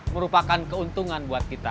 merupakan keuntungan buat kita